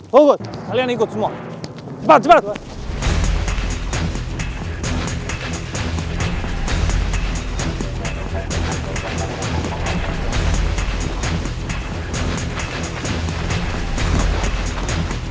juragan itu memberi budi uang